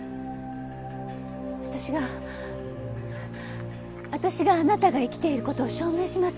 私が私があなたが生きている事を証明します。